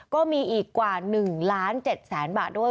ก็มีอีกกว่า๑ล้าน๗แสนบาทด้วย